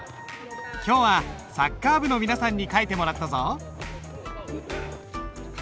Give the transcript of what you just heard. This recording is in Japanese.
今日はサッカー部の皆さんに書いてもらったぞ。